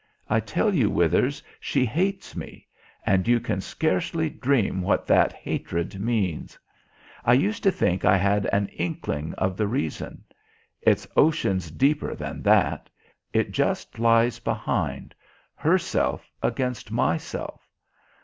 I tell you, Withers, she hates me; and you can scarcely dream what that hatred means. I used to think I had an inkling of the reason. It's oceans deeper than that. It just lies behind: herself against myself.